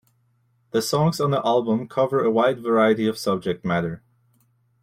The songs on the album cover a wide variety of subject matter.